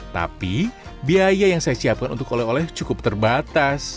tapi biaya yang saya siapkan untuk oleh oleh cukup terbatas